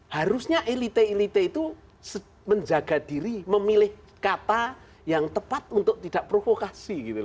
harusnya elite elite itu menjaga diri memilih kata yang tepat untuk tidak provokasi